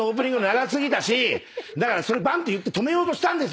だからばんと言って止めようとしたんです。